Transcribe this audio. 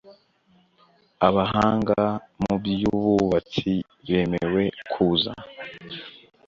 abahanga mu by ububatsi bemewe kuza